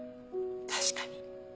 確かに。